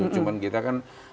cuman kita kan